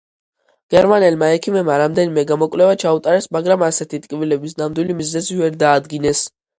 გერმანელმა ექიმებმა რამდენიმე გამოკვლევა ჩაუტარეს, მაგრამ ასეთი ტკივილების ნამდვილი მიზეზი ვერ დაადგინეს.